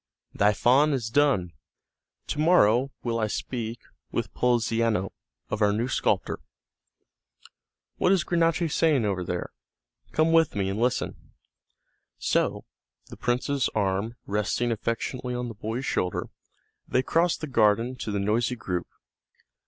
"Thy faun is done; to morrow will I speak with Poliziano of our new sculptor. What is Granacci saying over there? Come with me and listen." So, the prince's arm resting affectionately on the boy's shoulder, they crossed the garden to the noisy group.